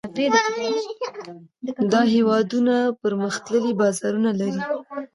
دا هېوادونه پرمختللي بازارونه لري.